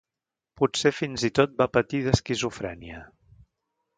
Potser fins i tot va patir d'esquizofrènia.